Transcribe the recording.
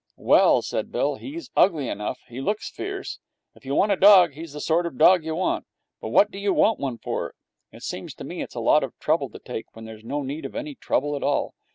'Well,' said Bill, 'he's ugly enough. He looks fierce. If you want a dog, he's the sort of dog you want. But what do you want one for? It seems to me it's a lot of trouble to take, when there's no need of any trouble at all.